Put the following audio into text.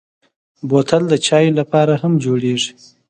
بوتل د چايو لپاره هم جوړېږي.